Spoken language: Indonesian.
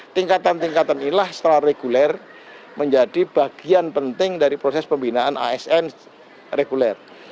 tingkatan tingkatan ilah setelah reguler menjadi bagian penting dari proses pembinaan asn reguler